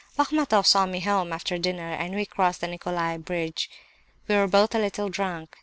"Bachmatoff saw me home after the dinner and we crossed the Nicolai bridge. We were both a little drunk.